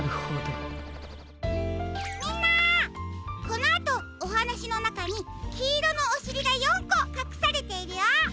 このあとおはなしのなかにきいろのおしりが４こかくされているよ。